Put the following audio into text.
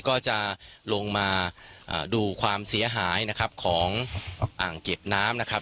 ก็จะลงมาดูความเสียหายนะครับของอ่างเก็บน้ำนะครับ